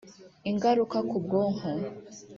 Ingaruka ku bwonko